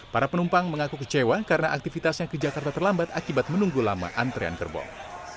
para penumpang mengaku kecewa karena aktivitasnya ke jakarta terlambat akibat menunggu lama antrean gerbong